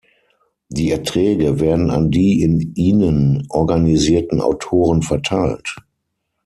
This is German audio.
Die Erträge werden an die in ihnen organisierten Autoren verteilt.